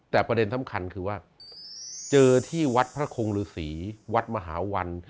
แต่ประเด็นสำคัญคือว่าเจอที่วัดพระคงฤษีวัดมหาวัน